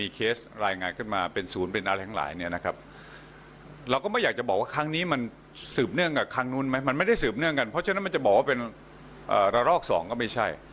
การระบาดระลอก๒ก็ไม่ใช่